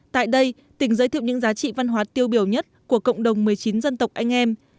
tại đây tỉnh giới thiệu những giá trị văn hóa tiêu biểu nhất của cộng đồng một mươi chín dân tộc anh em